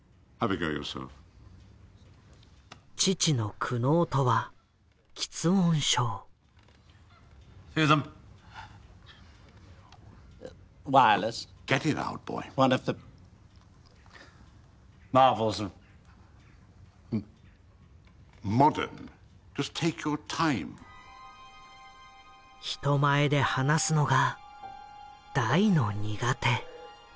父の苦悩とは人前で話すのが大の苦手。